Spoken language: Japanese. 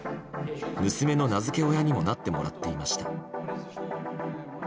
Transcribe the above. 娘の名付け親にもなってもらっていました。